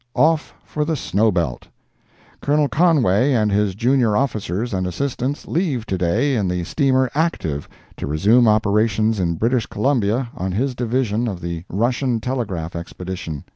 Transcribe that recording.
OFF FOR THE SNOW BELT Colonel Conway and his junior officers and assistants leave to day in the steamer Active to resume operations in British Columbia on his division of the Russian Telegraph expedition.